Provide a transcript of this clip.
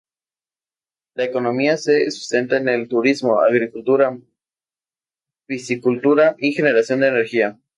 La economía se sustenta en el turismo, agricultura, piscicultura y generación de energía.